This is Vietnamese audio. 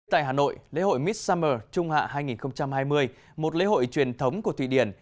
tại hà nội lễ hội miss summer trung hạ hai nghìn hai mươi một lễ hội truyền thống của thụy điển